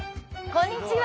こんにちは。